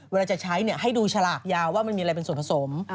เวลาจะใช้ให้ดูฉลากยาวว่ามันมีอะไรเป็นส่วนผสม